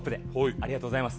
ありがとうございます。